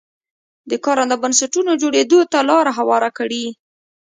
د کارنده بنسټونو جوړېدو ته لار هواره کړي.